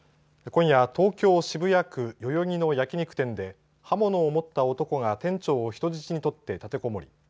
今夜、東京・渋谷区代々木の焼き肉店で刃物を持った男が店長を人質に取って立てこもり